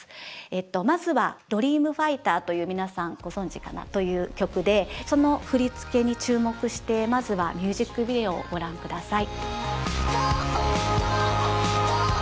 まずは「ＤｒｅａｍＦｉｇｈｔｅｒ」という皆さんご存じかな？という曲でその振付に注目してまずはミュージックビデオをご覧下さい。